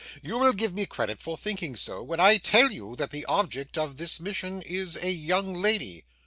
You will give me credit for thinking so, when I tell you that the object of this mission is a young lady.